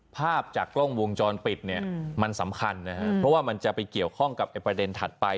ภาพจากกล้องวงจรปิดเนี่ยมันสำคัญนะครับเพราะว่ามันจะไปเกี่ยวข้องกับประเด็นถัดไป